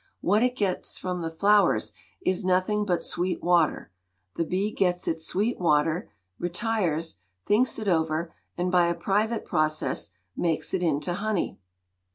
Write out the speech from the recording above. What it gets from the flowers is nothing but sweet water. The bee gets its sweet water, retires, thinks it over, and by a private process makes it into honey.